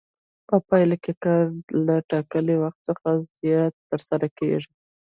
په پایله کې کار له ټاکلي وخت څخه زیات ترسره کېږي